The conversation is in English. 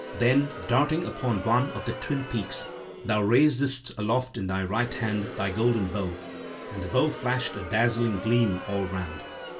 Then darting upon one of the twin peaks, thou raisedst aloft in thy right hand thy golden bow; and the bow flashed a dazzling gleam all round.